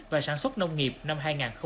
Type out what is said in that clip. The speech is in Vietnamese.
và sản xuất nông nghiệp năm hai nghìn hai mươi